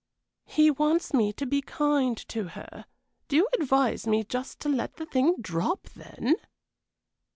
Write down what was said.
"He wants me to be kind to her. Do you advise me just to let the thing drop, then?"